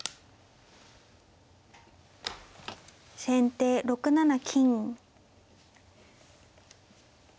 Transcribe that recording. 先手６七金。